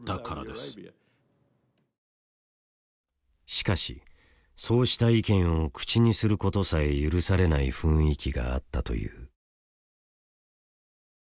しかしそうした意見を口にすることさえ許されない雰囲気があったという。